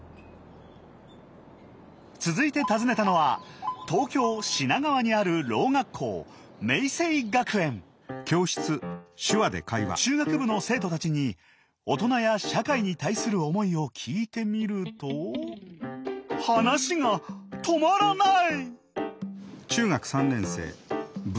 続いて訪ねたのは東京・品川にあるろう学校中学部の生徒たちに大人や社会に対する思いを聞いてみると話が止まらない！